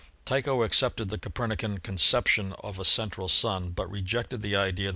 Tycho accepted the Copernican concep tion of a central Sun, but rejected the idea that the Earth rtt*£!